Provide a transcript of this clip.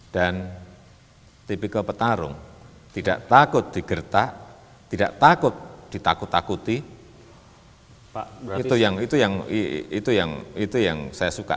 dan tipikal petarung tidak takut digertak tidak takut ditakut takuti itu yang saya suka